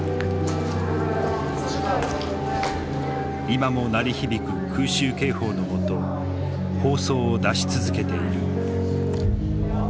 今も鳴り響く空襲警報のもと放送を出し続けている。